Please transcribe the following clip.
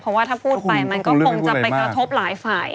เพราะว่าถ้าพูดไปมันก็คงจะไปกระทบหลายฝ่าย